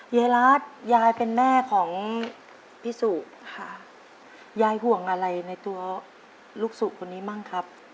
ยายรัฐยายเป็นแม่ของพี่สุค่ะยายห่วงอะไรในตัวลูกสุคนนี้บ้างครับ